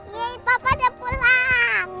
yay papa udah pulang